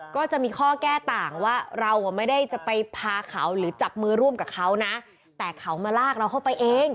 ก็จะมีข้อแก้ต่างว่าเราไม่ได้จะไปพาเขาหรือจับมือร่วมกับเขานะแต่เขามาลากเราเข้าไปเอง